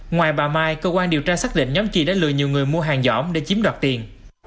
ngoài bà mai cơ quan điều tra xác định nhóm chi đã lừa nhiều người mua hàng giỏm để chiếm đoạt tiền